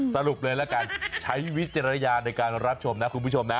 ซะลุกเลยว่ากันใช้วิทยาลัยในการรับชมนะคุณผู้ชมนะ